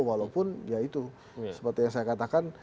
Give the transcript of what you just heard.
walaupun ya itu seperti yang saya katakan